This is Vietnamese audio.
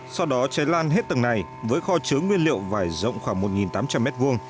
sau đó cháy lan hết tầng này với kho chứa nguyên liệu vải rộng khoảng một tám trăm linh m hai